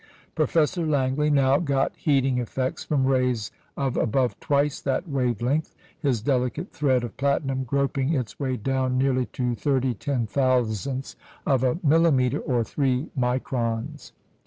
Professor Langley now got heating effects from rays of above twice that wave length, his delicate thread of platinum groping its way down nearly to thirty ten thousandths of a millimetre, or three "microns."